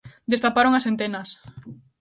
Destaparon as entenas.